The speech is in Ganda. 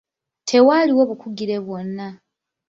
Tewaaliwo bukugire bwonna.